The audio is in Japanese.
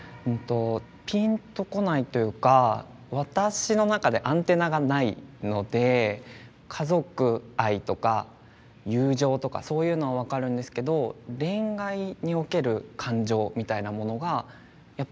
ピンとこないというか私の中でアンテナがないので家族愛とか友情とかそういうのは分かるんですけど恋愛における感情みたいなものがやっぱりよく分からない。